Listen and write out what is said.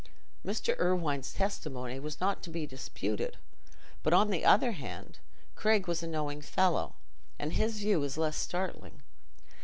Mr. Irwine's testimony was not to be disputed; but, on the other hand, Craig was a knowing fellow, and his view was less startling.